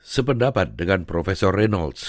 sependapat dengan prof reynolds